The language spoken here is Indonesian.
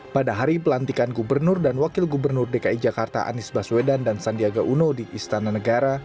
pada hari pelantikan gubernur dan wakil gubernur dki jakarta anies baswedan dan sandiaga uno di istana negara